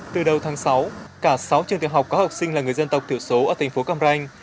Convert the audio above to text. từ đầu tháng sáu cả sáu trường tiểu học có học sinh là người dân tộc thiểu số ở thành phố cam ranh